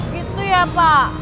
gitu ya pak